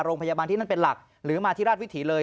โรงพยาบาลที่นั่นเป็นหลักหรือมาที่ราชวิถีเลย